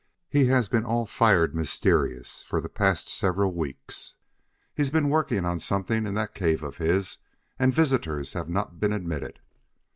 "He has been all fired mysterious for the past several weeks. He's been working on something in that cave of his, and visitors have not been admitted.